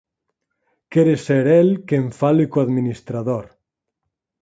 Quere ser el quen fale co administrador.